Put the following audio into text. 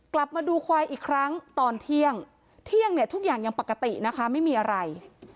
กลับมาดูควายอีกครั้งตอนเที่ยงเที่ยงเนี่ยทุกอย่างยังปกตินะคะไม่มีอะไร